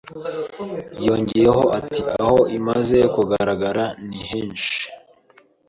Yongeyeho ati Aho imaze kugaragara ni henshi,